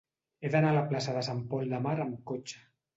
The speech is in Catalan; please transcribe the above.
He d'anar a la plaça de Sant Pol de Mar amb cotxe.